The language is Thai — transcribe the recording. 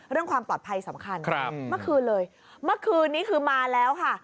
เรื่องความปลอดภัยสำคัญครับเมื่อคืนเลยเมื่อคืนนี้คือมาแล้วค่ะ